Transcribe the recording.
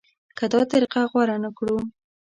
که دا طریقه غوره نه کړو.